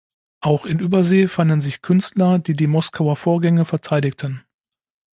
Auch in Übersee fanden sich Künstler, die die Moskauer Vorgänge verteidigten.